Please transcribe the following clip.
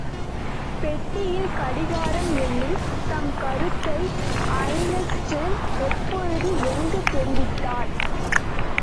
பெட்டியில் கடிகாரம் என்னும் தம் கருத்தை ஐன்ஸ்டீன் எப்பொழுது, எங்குத் தெரிவித்தார்?